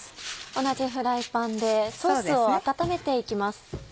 同じフライパンでソースを温めて行きます。